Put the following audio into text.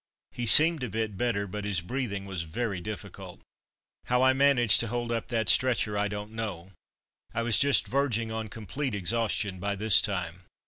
He seemed a bit better, but his breathing was very difficult. How I managed to hold up that stretcher I don't know; I was just verging on complete exhaustion by this time.